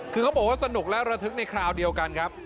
คือเขาบอกว่าสนุกและระทึกในคราวเดียวกันครับ